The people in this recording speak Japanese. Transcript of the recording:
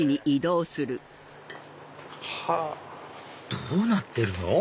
どうなってるの？